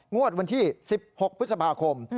งวดวันที่๑๖พฤษภาคม